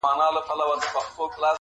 وركه يې كړه,